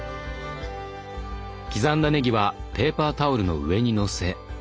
刻んだねぎはペーパータオルの上にのせ。